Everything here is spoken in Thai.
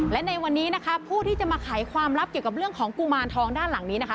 และในวันนี้นะคะผู้ที่จะมาไขความลับเกี่ยวกับเรื่องของกุมารทองด้านหลังนี้นะคะ